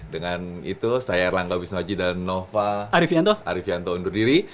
dengan itu saya erlangga wisnuwaji dan nova arifianto undur diri